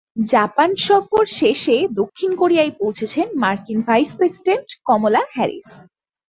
Japan সফর শেষে দক্ষিণ কোরিয়ায় পৌঁছেছেন মার্কিন ভাইস প্রেসিডেন্ট কমলা হ্যারিস।